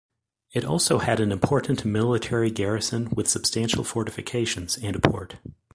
It also had an important military garrison with substantial fortifications and a port.